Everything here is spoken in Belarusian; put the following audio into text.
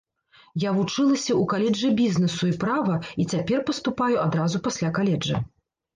Я вучылася ў каледжы бізнесу і права і цяпер паступаю адразу пасля каледжа.